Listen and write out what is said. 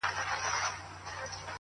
o د خالي دېگ ږغ لوړ وي٫